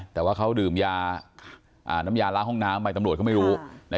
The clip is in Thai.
แต่ว่าเขาดื่มยาน้ำยาล้างห้องน้ำไปตำรวจเขาไม่รู้